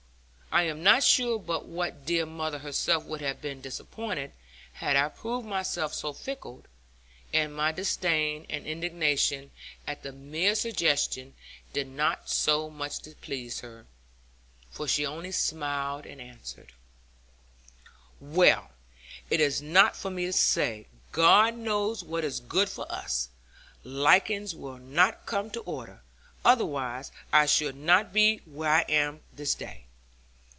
I am not sure but what dear mother herself would have been disappointed, had I proved myself so fickle; and my disdain and indignation at the mere suggestion did not so much displease her; for she only smiled and answered, 'Well, it is not for me to say; God knows what is good for us. Likings will not come to order; otherwise I should not be where I am this day.